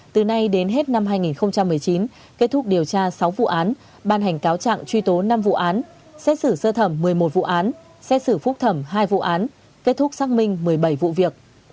từ nay đến hết năm hai nghìn một mươi chín kết thúc điều tra sáu vụ án ban hành cáo trạng truy tố năm vụ án xét xử sơ thẩm một mươi một vụ án xét xử phúc thẩm hai vụ án kết thúc xác minh một mươi bảy vụ việc